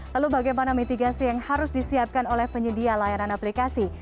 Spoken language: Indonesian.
lalu bagaimana mitigasi yang harus disiapkan oleh penyedia layanan aplikasi